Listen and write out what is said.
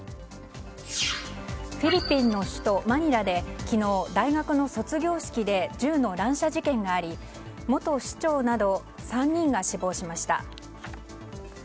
フィリピンの首都マニラで昨日、大学の卒業式で銃の乱射事件があり元市長など３人が死亡しました。